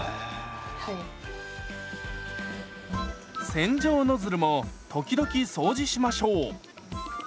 洗浄ノズルも時々掃除しましょう。